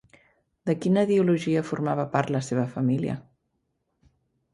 De quina ideologia formava part la seva família?